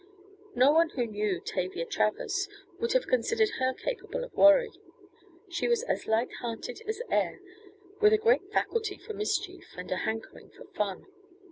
No one who knew Tavia Travers would have considered her capable of worry. She was as light hearted as air, with a great faculty for mischief and a "hankering" for fun.